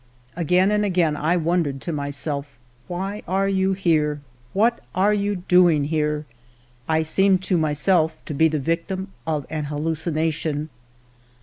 Again and again I wondered to myself, ' Why are you here ? What are you doing here ?' I seemed to myself to be the victim of an hal lucination.